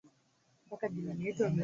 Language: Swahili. Watoto wote walienda shuleni.